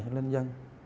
cho lên dân